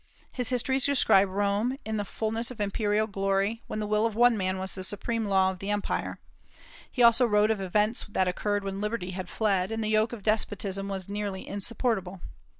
His histories describe Rome in the fulness of imperial glory, when the will of one man was the supreme law of the empire. He also wrote of events that occurred when liberty had fled, and the yoke of despotism was nearly insupportable.